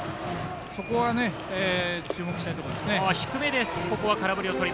そこは注目したいところですね。